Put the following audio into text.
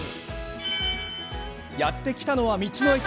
やって来たのは道の駅。